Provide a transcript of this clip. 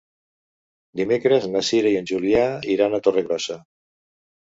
Dimecres na Cira i na Júlia iran a Torregrossa.